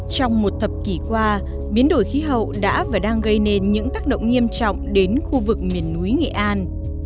trong một thập kỷ qua biến đổi khí hậu đã và đang gây nên những tác động nghiêm trọng đến khu vực miền núi nghệ an